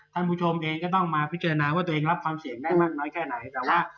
ท่านผู้ชมเองก็ต้องมาพิจารณาว่าตัวเองรับความเสี่ยงได้มากน้อยแค่ไหนแต่ว่า